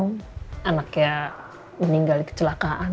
you know anaknya meninggal kecelakaan